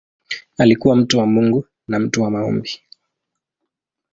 Alikuwa mtu wa Mungu na mtu wa maombi.